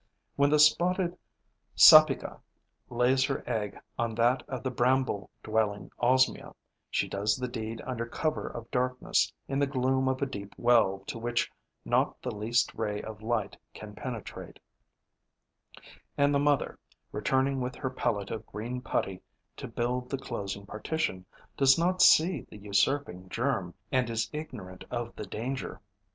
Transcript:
When the Spotted Sapyga lays her egg on that of the Bramble dwelling Osmia, she does the deed under cover of darkness, in the gloom of a deep well to which not the least ray of light can penetrate; and the mother, returning with her pellet of green putty to build the closing partition, does not see the usurping germ and is ignorant of the danger.